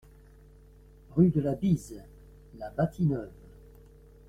Rue de la Bise, La Bâtie-Neuve